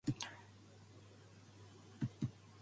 手探りの日々に出会った手ごたえはあなたの笑顔で